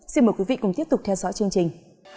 xin mời quý vị cùng tiếp tục theo dõi chương trình